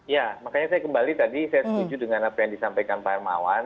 ya makanya saya kembali tadi saya setuju dengan apa yang disampaikan pak hermawan